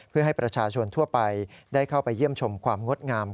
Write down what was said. เพื่อให้ประชาชนทั่วไปได้เข้าไปเยี่ยมชมความงดงาม